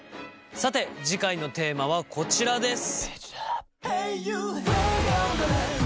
さて次回のテーマはこちらです。